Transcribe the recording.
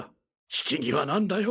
引き際なんだよ。